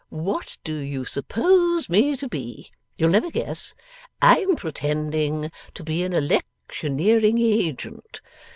What do you suppose me to be? You'll never guess. I'm pretending to be an electioneering agent.